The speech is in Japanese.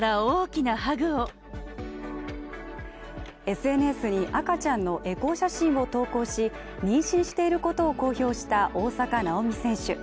ＳＮＳに、赤ちゃんのエコー写真を投稿し妊娠していることを公表した大坂なおみ選手。